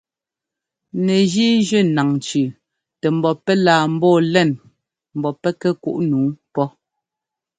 Nɛgíi jʉ́ naŋ tsʉ́ʉ tɛ mbɔ pɛ́ laa ḿbɔɔ lɛŋ ḿbɔ́ pɛ́ kuꞌ nǔu pɔ́.